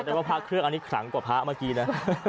แต่ว่าพระเครื่องอันนี้ขลังกว่าพระเมื่อกี้นะ